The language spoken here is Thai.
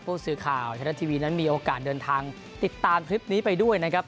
ผู้สื่อข่าวไทยรัฐทีวีนั้นมีโอกาสเดินทางติดตามคลิปนี้ไปด้วยนะครับ